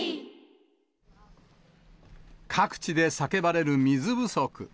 各地で叫ばれる水不足。